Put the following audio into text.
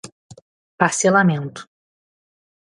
parcelamento